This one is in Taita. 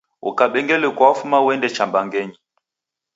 Ukabembeluka wafuma uende cha mbangenyi!